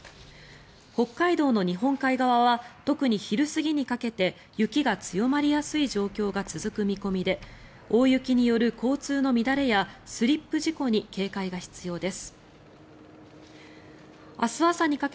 北海道の日本海側は特に昼過ぎにかけて雪が強まりやすい状況が続く見込みで大雪による交通の乱れやスリップ事故に警戒が必要です。